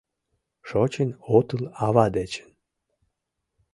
Шочын отыл ава дечын